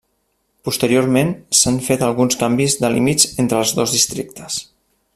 Posteriorment s'han fet alguns canvis de límits entre els dos districtes.